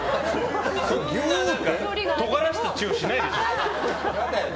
とがらせてチューしないでしょ？